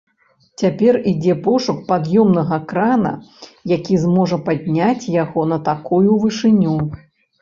Цяпер ідзе пошук пад'ёмнага крана, які зможа падняць яго на такую вышыню.